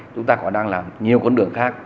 chúng ta còn đang làm nhiều con đường khác